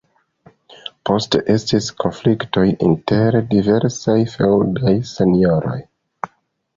Poste estis konfliktoj inter la diversaj feŭdaj senjoroj.